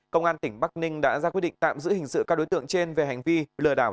công an tỉnh bắc ninh đã ra quyết định tạm giữ hình sự các đối tượng trên về hành vi lừa đảo